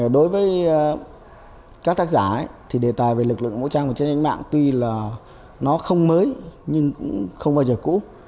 đối với các tác giả thì đề tài về lực lượng vũ trang và trên mạng tuy là nó không mới nhưng cũng không bao giờ cũ